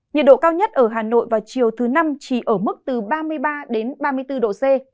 nhiệt độ cao nhất ở hà nội vào chiều thứ năm chỉ ở mức từ ba mươi ba đến ba mươi bốn độ c